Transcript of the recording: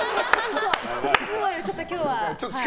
いつもよりちょっと今日は。